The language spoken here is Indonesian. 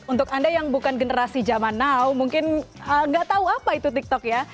untuk anda yang bukan generasi zaman now mungkin nggak tahu apa itu tiktok ya